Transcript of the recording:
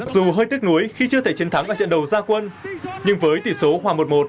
dù hơi tiếc nuối khi chưa thể chiến thắng ở diện đầu gia quân nhưng với tỷ số hòa một một